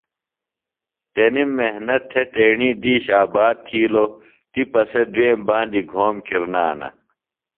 تنِم محنت تھےۡ تیݨی دِیش آباد تِھیلوۡ۔ تِپہ سےۡ دُئیم باندیۡ گھوم کِرنانہ